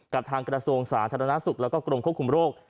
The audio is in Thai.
กับทางกรสูงศาสตร์ธนสุขและกรมควบคุมโรค